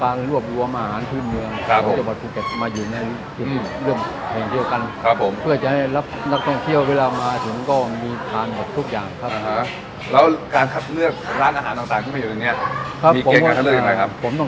แล้วก็รสชาติจริงมันใช้ได้ด้วยครับรสชาติต้องมีอีกด้วยอาหารพื้นเมือง